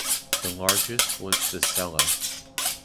The largest was the cella.